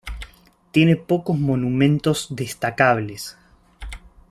Tiene pocos monumentos destacables.